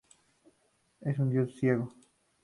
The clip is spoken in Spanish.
Es un dios ciego.